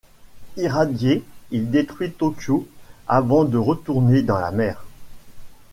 Irradié, il détruit Tokyo avant de retourner dans la mer.